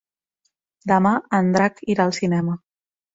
Demà en Drac irà al cinema.